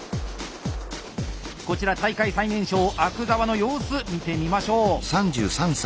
こちら大会最年少阿久澤の様子見てみましょう。